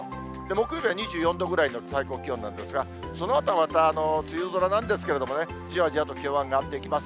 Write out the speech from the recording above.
木曜日は２４度ぐらいの最高気温なんですが、そのあとはまた梅雨空なんですけども、じわじわと気温上がっていきます。